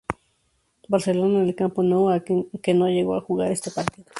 Barcelona, en el Camp Nou, aunque no llegó a jugar este partido.